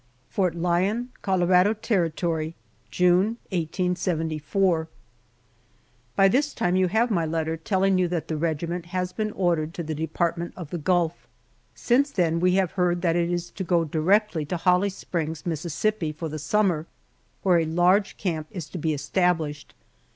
FORT LYON, COLORADO TERRITORY, June, 1874. BY this time you have my letter telling you that the regiment has been ordered to the Department of the Gulf. Since then we have heard that it is to go directly to Holly Springs, Mississippi, for the summer, where a large camp is to be established.